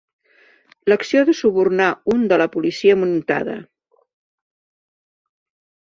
L'ació de subornar un de la policia muntada.